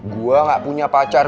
gue gak punya pacar